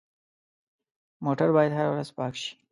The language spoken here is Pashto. موټر باید هره ورځ پاک شي.